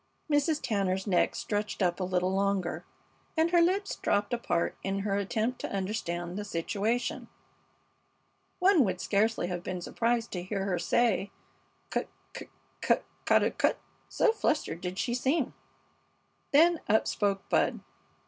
Mrs. Tanner's neck stretched up a little longer, and her lips dropped apart in her attempt to understand the situation. One would scarcely have been surprised to hear her say, "Cut cut cut ca daw cut?" so fluttered did she seem. Then up spoke Bud.